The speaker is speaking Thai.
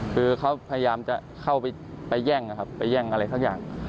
คือเขาพยายามจะเข้าไปแย่งอะไรสักอย่าง